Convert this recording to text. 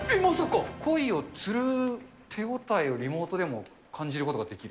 コイを釣る手応えをリモートでも感じることができる？